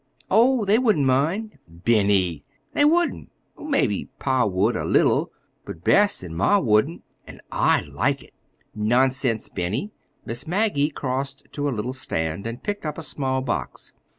"Oh, they wouldn't mind." "Benny!" "They wouldn't. Maybe pa would—a little; but Bess and ma wouldn't. And I'D like it." "Nonsense, Benny!" Miss Maggie crossed to a little stand and picked up a small box.